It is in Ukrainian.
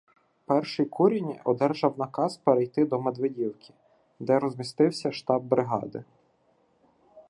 Перший курінь одержав наказ перейти до Медведівки, де розмістився штаб бригади.